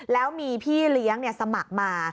แล้วมีพี่เลี้ยงสมัครมา